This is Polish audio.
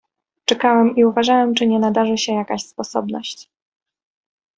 "Czekałem i uważałem, czy nie nadarzy mi się jaka sposobność."